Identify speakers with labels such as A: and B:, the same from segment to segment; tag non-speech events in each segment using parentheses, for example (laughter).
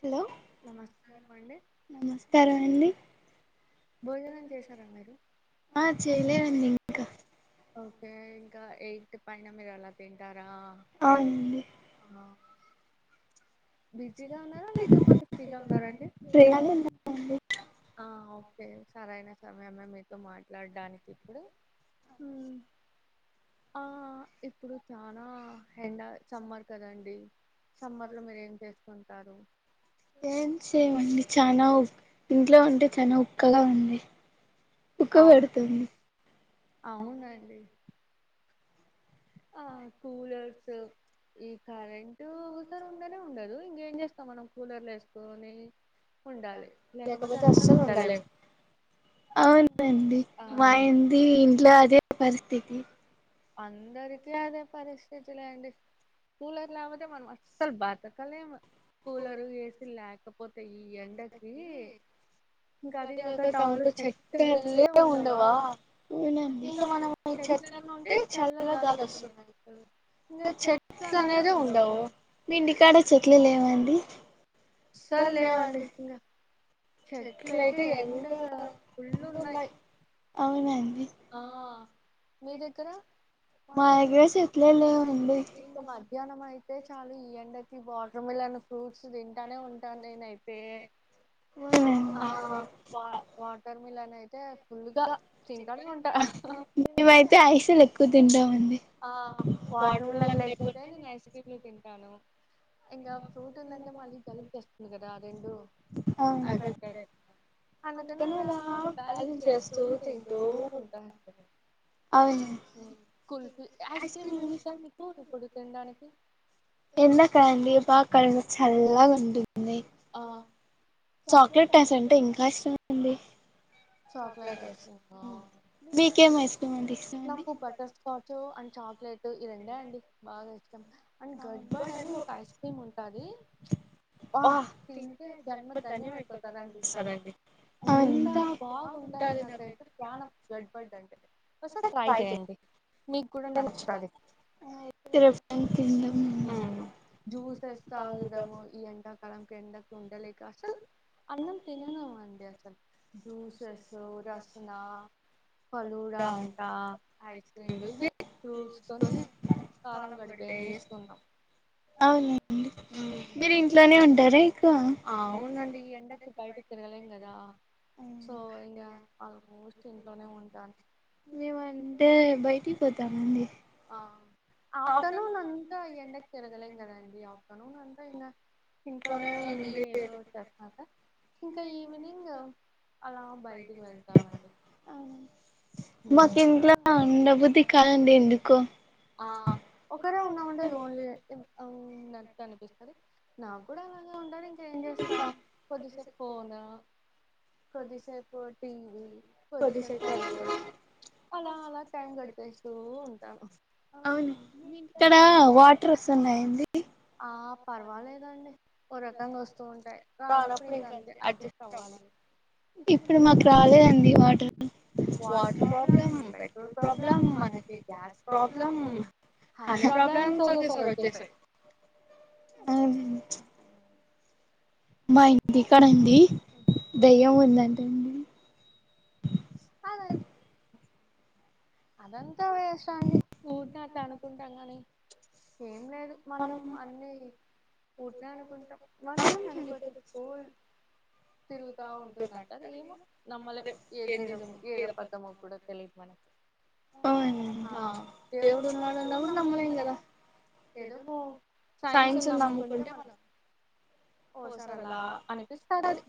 A: hello
B: నమస్కారం అండి భోజనం చేసారా మీరు ఓకే ఎయిత్ పైన మిరు ఎలా తింటారా బిజీగా ఉన్నారా లేకపోతే ఫ్రీగా ఉన్నారా అండి ఆ ఓకే సరయినా సమయమే మీతో మాట్లాడడానికి ఇప్పుడు ఉమ్ ఆ ఇప్పుడు చాలా ఎండా సమ్మర్ కదండి సమ్మర్ లో మీరు ఏం చేసుకుంటారు
A: నిచానవు ఇంట్లో ఉంటే చాలా ఉక్కగా ఉంది కుక్క పడుతుంది
B: అవునండి ఆ కూలర్స్
A: అవునండి మా ఇంది ఇంట్లో అదే పరిస్థితి
B: అందరికి అదే పరిస్థితి లేండి
A: అవునండి అంటే చాల్ల గాలి వస్తున్నాయి ఇంకా చెట్లు మీ ఇంటికాడ చెట్లు లేవ అండి సార్ లెవండి ఇంకా
B: చెట్లుయిక ఎండ పుళ్ళు ఉన్నాయి ఆ మీ దగ్గర ఇక మధ్యాహ్నం అయితే చాలు ఈ ఎండకి ఇ వాటర్ మిలాన్ ఫ్రూట్స్ తింటానే ఉంటాను నేనయితే ఆ వాటర్ మిలన్ అయితే ఫుల్గా తింటానే ఉంటా ఆ వాటర్ మిలన్ లేకపోతే నేను ఐస్ క్రీమ్లు తింటాను ఇంకా ఫ్రూట్ ఉందంటే మళ్ళీ కలిపేస్తుంది కదా రెండు అ అందుకని అలా బ్యాలెన్స్ చేస్తూ తింటూ ఉంటా
A: అవును ఐస్క్రీం ఏం ఇష్టం ఎండా కద్దండి బాగా కడుపులో చల్లగా ఉంటు (unintelligible)
B: ఆ
A: చాక్లెట్ టేస్ట్ అంటే ఇంకా ఇష్టమండి
B: చాక్లెట్ ఐస్ క్రీమ్ నాకు బటర్ స్కాచ్ అండ్ చాక్లెట్ ఈ రెండే అండి బాగా ఇష్టం అండ్ గడ్బట్ అని ఒక ఐస్ క్రీమ్ ఉంటది తింటే జన్మ
A: ధన్యం అయిపోతారనిపిస్తాదండి అంత
B: బాగుంటది నాకైతే ప్రాణం గడ్బట్ అంటే ఒసారి ట్రై చేయండి మీకు కూడా నచ్చుతాది జ్యూసెస్ తాగుదము ఈ ఎండాకాలం ఎండకి ఉండలేక అసలు అన్నం తినలెమండి అసలు
A: అవునండి మీరు ఇంట్లోనే ఉంటారా ఎక్కువ
B: అంటే ఈ ఎండకి బయట తిరగలేంకదా సో ఇంగ ఆల్మోస్ట్ ఇంట్లోనే ఉంటాను
A: ఆ ఆఫ్టర్నూన్ అంత ఎండకి తిరగలేం కదండి ఆఫ్టర్నూన్ అంత ఇంగ ఇంట్లోనే ఉండి ఇంకా ఈవినింగ్ అలా బయటికి వెళ్తామండి అవునా మాకు ఇంట్లో ఉండబుద్ది కాదండి ఎందుకో
B: ఆ ఒకరే ఉన్నామంటె లోన్లీ
A: నా కూడా (unintelligible) కొద్దిసేపు పో కొద్దిసేపు టీవీ కొద్దిసేపు అలా అలా టైం గడిపేస్తుంటానూ అవును ఇక్కడ వాటర్స్ ఉస్తున్నయండి
B: ఆ పర్వాలేదండి ఓ రకంగా వస్తూ ఉంటాయి రానప్పుడు ఇంక అంతే అడ్జస్ట్ అవ్వాలి ఇప్పుడు మాకు చాల వాటర్ ప్రాబ్లం పెట్రోల్ ప్రాబ్లమ్ మనకి గ్యాస్
A: ప్రబ్లమ్ అన్నీ ప్రాబ్లమ్స్ ఒకేసారొచేసాయ్ అ మా ఇంటి కాడండీ దెయ్యం ఉందండి
B: అదం వేస్తా అండి ఊరకె అట్లా అనుకుంటాం కానీ ఏం లేదు మనం అన్నీ ఊరికేనే అనుకుంటాం మనం చనిపోతే పోల్ తిరుగుతా ఉంటుందంటా అది ఏమో నమ్మలే ఏది నిజమో ఏదాబదమో కూడా తెలిద్ మనకి
A: ఆ దేవుడు ఉన్నాడు అన్న కూడా నమ్మలేం కదా ఏదో సైన్స్ నమ్ముకుంటే మనం ఓ సార్ అలా అనిపిస్తది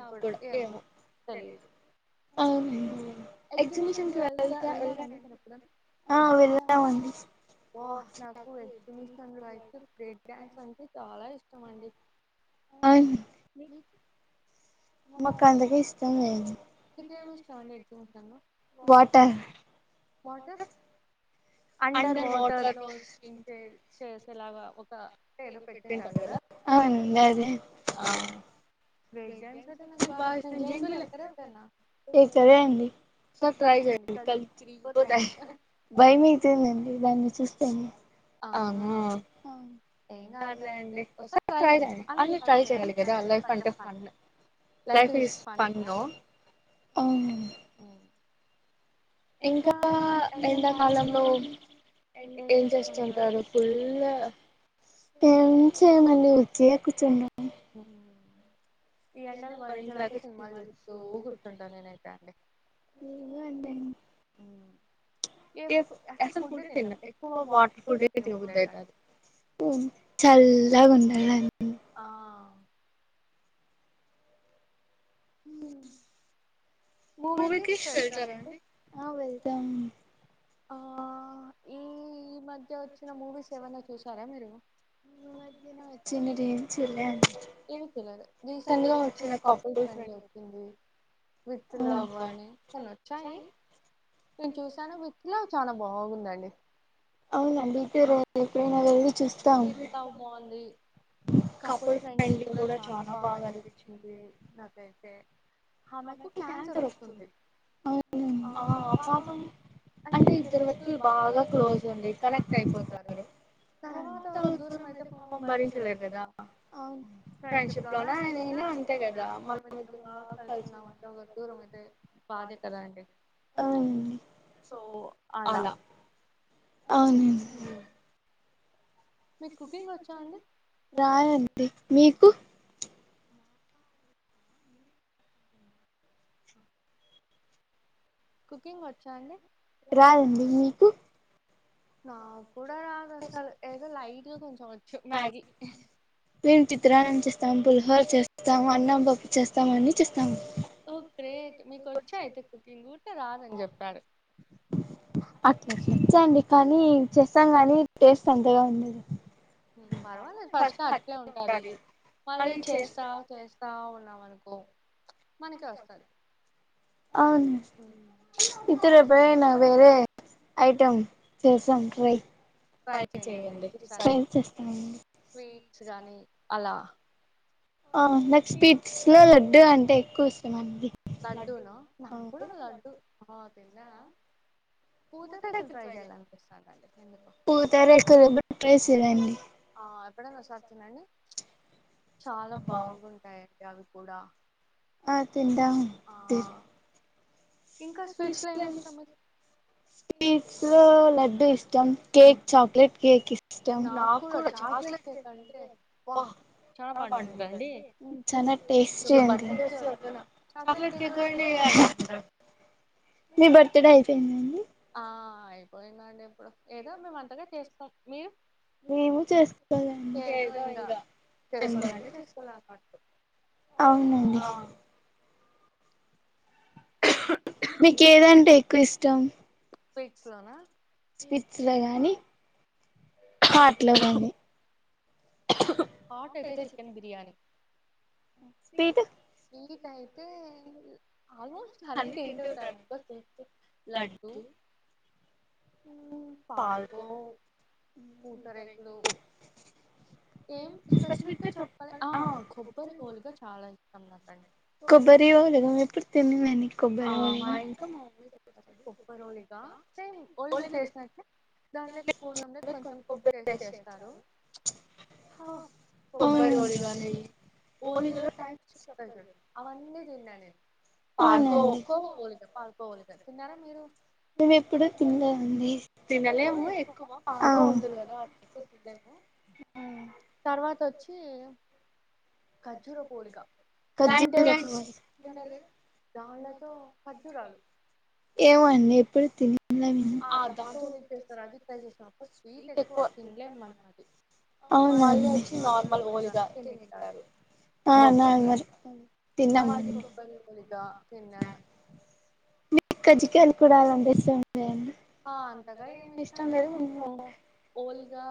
A: నాకు కూడా ఏమో తెలీదు
B: ఎగ్జిబిషన్ కి వెళ్తారా ఎళ్ళారండి మీరు ఎప్పుడైనా వెళ్ళండి అబ్బా నాకు ఎగ్జిబిషన్ లో అయితే బ్రేక్ డ్యాన్స్ అంటే చాలా ఇష్టం అండి
A: మాకు అంతకి ఇష్టం లేదు
B: ఏం ఇష్టం అండి ఎగ్జామ్స్ లను వాటర్ అండర్ వాటర్ లో ఇకే చేసేలాగా ఒక టే ఏదో పెట్టింటారు కదా ఆ బ్రేక్ డ్యాన్స్ అయితే నాకు బాగా ఇష్టం జెయింట్ వీల్ ఎక్కర ఎప్పుడన్న
A: చెప్పలేదండీ సర్ప్రైజ్ అయ్యింది కళ్ళు తిరిగిపోతాయి భయ మీ ేనండి దాన్ని చూస్తేనే అవునా ఏం కాదులే అండి ఓసారి ట్రై చేయండి అన్ని ట్రై చేయాలి కదా లైఫ్ అంటే ఫన్ లైఫ్ ఈజ్ ఫన్ హు ఏం చేయమండి ఓకే కూర్చుంటాం మేము అంతే అండి ఏ ఫ్ అసలు ఫుడ్ే తినన్ ఎక్కువ వాటర్ ఫుడ్డు తిన బుద్ధి అయితది ఆ మూవీ కిష్ వెళ్తారా అండి
B: ఆ ఈ
A: ఈ మధ్యన వచ్చి న ఏం చూడలే అండి
B: ఏవి తెలదు రీసెంట్గా వచ్చిన కపుల్ ఫ్రెండ్లీ వచ్చింది విత్ లవ్ అని కొన్ని వచ్చాయి నేను చూసాను విత్ లవ్ చాలా బాగుందండి
A: అవును అండి తర్వాత ఎప్పుడైనా వెళ్ళు
B: విత్ బాగుంది కపుల్ ఫ్రెండ్లీ కూడా చాలా బాగా అనిపిస్తుంది నాకైతే ఆమెకు క్యాన్సర్ వస్తుంది ఆ పాప అంటే ఇద్దరు వ్యక్తులు బాగా క్లోజ్ అంటాయి కనెక్ క్ట్ అయిపోతారు తరవాత్ ఒక దూరం అయితే పాపం భరించలేరు కదా ఫ్రెండ్షిప్ లోన అయనా అంత కదా మనంద్దం బాగా కలిసున్నాం అంటే ఒకరు దూరం అయితే బాదే కదా అండి సో అలా
A: అవును హు రాదండి మీకు
B: కుకింగ్ వచ్చా అండి
A: రాదండి మీకు
B: నా కూడా రాదు అసలు ఏదో లైట్గా కొంచం వచ్చు మ్యాగీ
A: చేస్తాం అన్నం పప్పు చేస్తాం అన్ని చేస్
B: ఓ గ్రేట్ మీకు వచ్చా అయితే కుకింగ్ తే రాదని చెప్పాడు
A: అట్లా చేచ్చండి కానీ చేస్తాం కానీ టేస్ట్ అంతగా ఉండదు
B: పర్వాలేదు ఫస్ట్లో అట్లే ఉంటది మళ్ళీ చేస్తా చేస్తా ఉన్నాంనుకో మనకే వస్తది
A: అవును ఇతురి పోయనా వేరే ఐటమ్ చేసాం ట్రై ట్రై చేయండి ఈసారి ట్రై చేస్తామండి
B: అలా
A: ఆ నాకు స్వీట్స్ లో లడ్డు అంటే ఎక్కువ ఇష్టమండి
B: లడ్డు నా నాక్కూడా లడ్డు ఆ తిన్నా పూతరేకులు ట్రై చేయాలనిపిస్తుంది అండి ఎందుకో ఎప్పుడైనా ఓసారి తినండి చాలా బాగుంటాయండి అవి కూడా
A: ఆ ఇంకా స్వీట్స్ లో ఏమి ఇష్టం మీకు స్వీట్స్ లో లడ్డూ ఇష్టం కేక్, చాక్లెట్ కేక్ ఇష్టం నాకుడా చాక్లెట్ కేక్ అంటే బా చాలా బాగుండదండి చానా టేస్టీగా (inaudible) చాక్లెట్ కేక్ గురించే కదా మీ బర్డే అయిపోయింద అండి
B: ఆ అయిపోయిందండి ఎప్పుడో
A: ఏదో మేము అట్టనే చేసుకున్నాంలే మేము చేసుకోవాలండి ఏదో ఇంగా చేసుకోవాలంటే చేసుకున్నాం అవునండి ఆ మీకేదంటే ఎక్కువ ఇష్టం
B: ప్లిక్సోనా
A: స్విట్స్ లో కానీ హార్ట్ లో కానీ హాట్ అయితే చికెన్ బిర్యానీ
B: స్వీటు స్వీట్ అయితే ఆల్మోస్ట్ అన్ని తింటు ఉంటాను లడ్డు పాల్కో, పూతరేకులు ఏం స్పెసిఫిక్గా చెప్పలే ఆ కొబ్బరి ఓలీగా చాలా ఇష్టం నాకండి కొబ్బరి ఓలీగా ఆ మా ఇంట్లో చేస్తారు కొబ్బరి ఓలీగ ఆ సేమ్ ఓలిగ చేసినట్టుగా దాంట్లోకి పోనంలోకి కొంచెం కొబ్బరి వేసి చేస్తారు కొబ్బరి ఓలీగనే ఓలిగలో టైప్ చెప్తా చూడు అవన్నీ తిన్నాను నేను పాల్కో కో ఓలిగా పాల్కోవోలిగా తిన్నారా మీరు
A: మేము ఎప్పుడు తినలేదండి తినలేము ఎక్కువ ఆ (inaudible) ఖర్జూరాలు ఏస దాన్లతో ఖర్జూరాలు ఏమో అండి ఎప్పుడు తినలే నేను ఆ దాంతోస్తారు అంటే స్వీట్ ఎక్కువ తినలేము మనం అవునవులే మళ్ళీ వచ్చి నార్మల్ ఓలిగా తినింటారు
B: బోప్పట్లా మరి కొబ్పరి ఓలీగ తిన్నా
A: మీ కజికయలు కూడా అలా చేస్వారు
B: ఆ అంతగా ఏమి ఇష్టాం లేదు మేము పోఓలిగా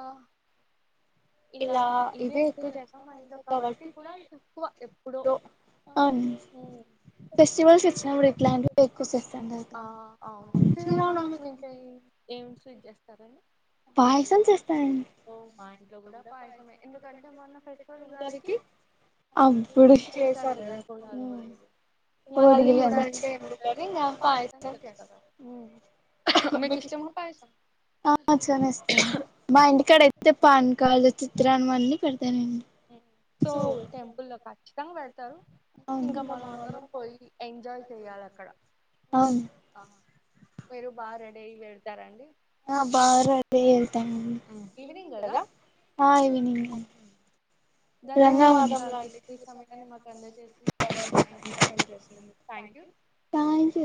A: ఇలా ఇవే ఎక్కువ చేస్తాం కాబట్టి ఇ అ ఫెస్టివల్స్ వచ్చినప్పుడు ఇట్లాంటివి ఎక్కువ చేస్తాం
B: ఇంకా ఏం గేమ్స్ చేస్తారండి
A: పాయసం చేస్తారండి అప్పుడు చేసం కద పో అపాయసం ప చని ఇస్తాను మా ఇంటికాడ అయితే పాన్ కార్డు చిత్రాన్ని అన్నిీ పెట్టానండి
B: సో టెంపల్ లో క్యాచ్ సంగత్ ఇంకా మనం అందరం పోయి ఎంజాయ్ చెయాలి అక్కడ మీరు బాగా రెడీ అయ వెడతారండి
A: ఈవినింగ్ కదా ఆ ఈవినింగ్ రంగవరంలో అండి